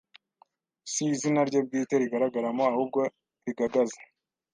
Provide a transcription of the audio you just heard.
Si izina rye bwite rigaragaramo ahubwo rigagaze